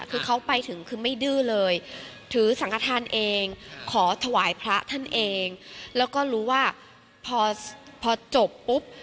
คือเขาไปถึงคือไม่ดื้อเลยถือสังฆฐานเองขอถวายพระท่านเองแล้วก็รู้ว่าพอพอจบปุ๊บ